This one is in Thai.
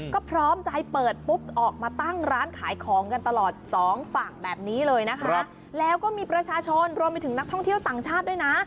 ก็พร้อมจะให้เปิดปุ๊บออกมาตั้งร้านขายของกันตลอดสองฝั่งแบบนี้เลยนะคะแล้วก็มีประชาชนรวมไปถึงนักท่องเที่ยวต่างชาติด้วยนะ